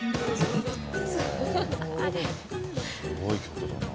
すごい曲だな。